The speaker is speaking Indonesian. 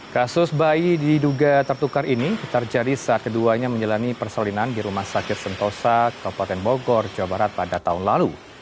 kasus bayi diduga tertukar ini terjadi saat keduanya menjalani persalinan di rumah sakit sentosa kabupaten bogor jawa barat pada tahun lalu